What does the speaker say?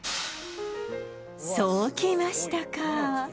そうきましたか！